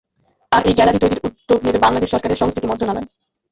আর এই গ্যালারি তৈরির উদ্যোগ নেবে বাংলাদেশ সরকারের সংস্কৃতি মন্ত্রণালয়।